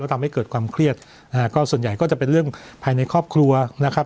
ทำให้เกิดความเครียดอ่าก็ส่วนใหญ่ก็จะเป็นเรื่องภายในครอบครัวนะครับ